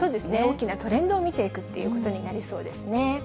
大きなトレンドを見ていくということになりそうですね。